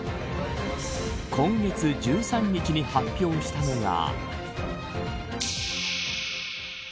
今月１３日に発表したのが。